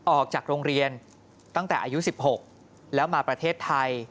ออกจากโรงเรียนตั้งแต่อายุ๑๖แล้วมาประเทศไทย